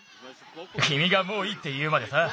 きみがもういいっていうまでさ。